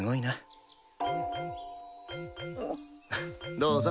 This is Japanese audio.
どうぞ。